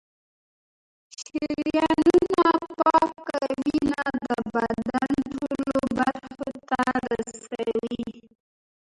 شریانونه پاکه وینه د بدن ټولو برخو ته رسوي.